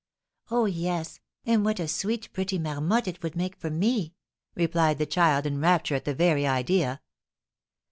"Oh, yes; and what a sweet pretty marmotte it would make for me!" replied the child, in rapture at the very idea.